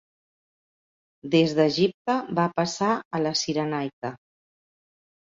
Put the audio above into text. Des d'Egipte va passar a la Cirenaica.